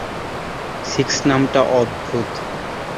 Six নামটা অদ্ভুত।